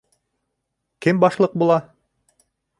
Кем башлыҡ була?